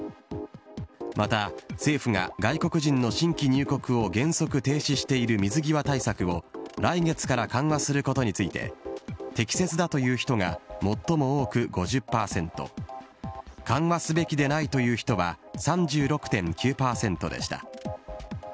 また政府が、外国人の新規入国を原則停止している水際対策を来月から緩和することについて、適切だという人が最も多く５０％、緩和すべきでないという人は３６．９％でした。